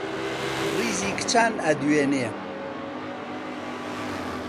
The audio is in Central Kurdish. ڕیزی کچان ئەدوێنێ